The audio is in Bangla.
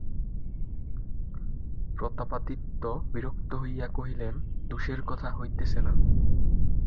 প্রতাপাদিত্য বিরক্ত হইয়া কহিলেন, দোষের কথা হইতেছে না।